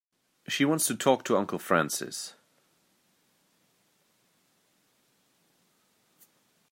She wants to talk to Uncle Francis.